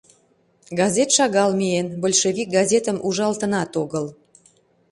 Газет шагал миен, большевик газетым ужалтынат огыл.